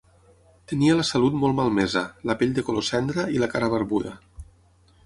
Tenia la salut molt malmesa, la pell de color cendra i la cara barbuda.